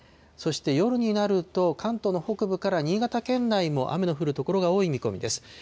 そして夜になると、関東の北部から新潟県内も雨の降る所が多い見込みです。